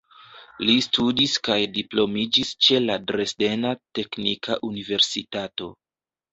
Li studis kaj diplomiĝis ĉe la Dresdena Teknika Universitato.